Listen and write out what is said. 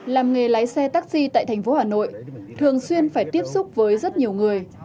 làm nghề lái xe taxi tại thành phố hà nội thường xuyên phải tiếp xúc với rất nhiều người